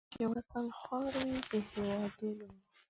چې وطن خوار وي د هیوادونو